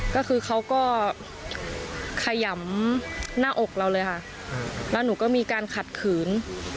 ก็คือเขาก็ขยำหน้าอกเราเลยค่ะแล้วหนูก็มีการขัดขืน